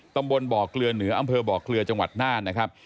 ตำบลบ่อเกลือเหนืออำเภอบ่อเกลือจังหวัดน่านนะครับ